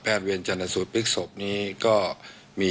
แพทย์เวรชันนาสุทธิ์ปิศพนี้ก็มี